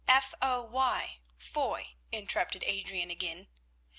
"F o y—Foy," interrupted Adrian again.